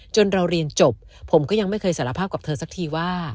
เราเรียนจบผมก็ยังไม่เคยสารภาพกับเธอสักทีว่า